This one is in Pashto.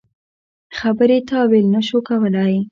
خبرې تاویل نه شو کولای.